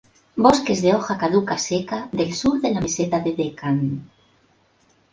Bosques de hoja caduca seca del sur de la meseta de Deccan